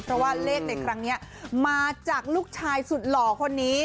เพราะว่าเลขในครั้งนี้มาจากลูกชายสุดหล่อคนนี้